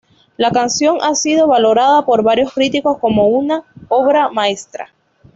La canción ha sido valorada por varios críticos como una obra maestra.